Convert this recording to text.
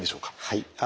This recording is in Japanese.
はい。